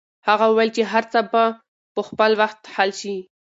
هغه وویل چې هر څه به په خپل وخت حل شي.